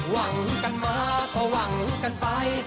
ว่างกันมาก็ว่างกันไป